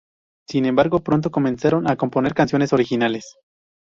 Sin embargo, pronto, comenzaron a componer canciones originales.